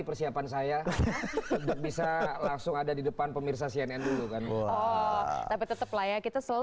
persiapan saya bisa langsung ada di depan pemirsa cnn dulu kan oh tapi tetep layak kita selalu